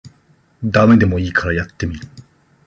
ダメでもいいからやってみる